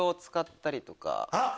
あっ！